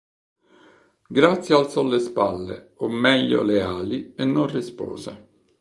Grazia alzò le spalle, o meglio le ali, e non rispose.